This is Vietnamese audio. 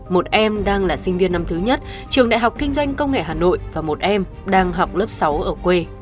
một em đang là sinh viên năm thứ nhất trường đại học kinh doanh công nghệ hà nội và một em đang học lớp sáu ở quê